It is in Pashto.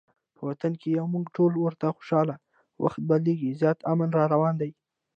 په وطن کې یو مونږ ټول ورته خوشحاله، وخت بدلیږي زیاتي امن راروان دی